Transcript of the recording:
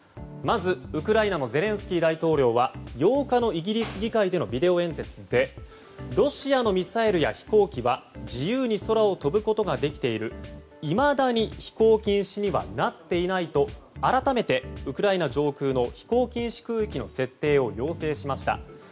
まず、ウクライナのゼレンスキー大統領は８日のイギリス議会でのビデオ演説でロシアの飛行機やミサイルは自由に空を飛ぶことができているいまだに飛行禁止にはなっていないと、改めてウクライナ上空の飛行禁止空域の設定を要請しました。